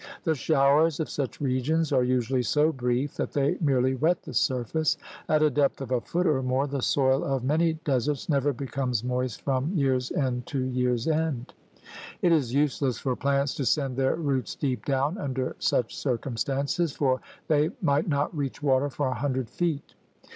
The showers of such regions are usually so brief that they merely w^et the surface. At a depth of a foot or more the soil of many deserts never becomes moist from year's end to year's end. It is useless for plants to send their roots deep down under such circumstances, for they might not reach water for a hundred feet.